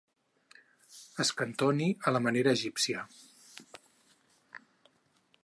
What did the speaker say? Escantoni a la manera egípcia.